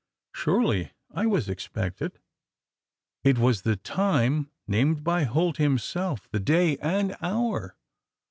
"Surely I was expected? It was the time named by Holt himself? The day and hour!